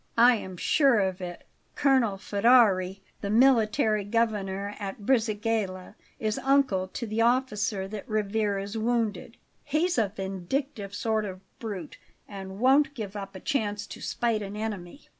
"I am sure of it. Colonel Ferrari, the military Governor at Brisighella, is uncle to the officer that Rivarez wounded; he's a vindictive sort of brute and won't give up a chance to spite an enemy."